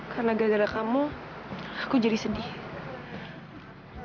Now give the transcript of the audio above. karena gara gara kamu saya jadi sedih